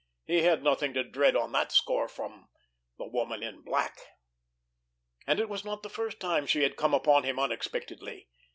He had nothing to dread on that score from—the Woman in Black! And it was not the first time she had come upon him unexpectedly!